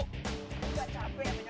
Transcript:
gak capek ya banyak ngomong ya